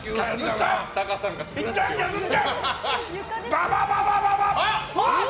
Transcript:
バババッ！